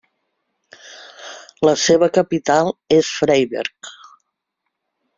La seva capital és Freiberg.